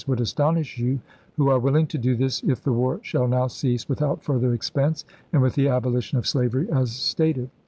would astonish you, who are willing to do this if the war shall now cease without further expense, and with the abolition of slavery as stated.'